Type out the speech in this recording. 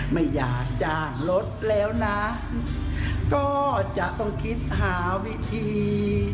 ไม่อยากจ้างรถแล้วนะก็จะต้องคิดหาวิธี